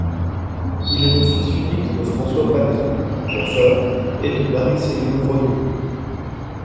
Il est le fils unique de François Panel, coiffeur, et de Marie-Céline Renoult.